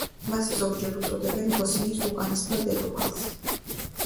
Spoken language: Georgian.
მას ზოგჯერ უწოდებენ „ბოსნიის უკანასკნელ დედოფალს“.